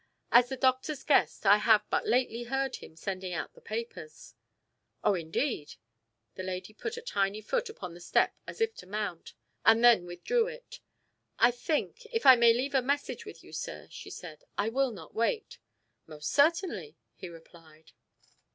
As the doctor's guest I have but lately heard him sending out the papers." "Oh, indeed!" The lady put a tiny foot upon the step as if to mount, and then withdrew it. "I think, if I may leave a message with you, sir," she said, "I will not wait." "Most certainly," he replied.